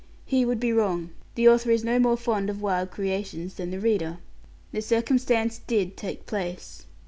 He would be wrong. The author is no more fond of wild creations than the reader. The circumstance did take place.